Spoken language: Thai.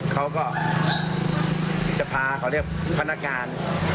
เขาก็จะพาเขาเรียกพนักงาน